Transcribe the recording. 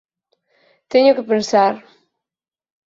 Teño que pensar.